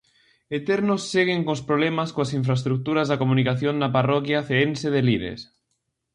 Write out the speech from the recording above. Eternos seguen os problemas coas infraestruturas da comunicación na parroquia ceense de Lires.